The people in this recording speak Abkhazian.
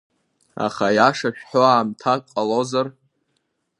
Аха аиаша шәҳәо аамҭак ҟалозар…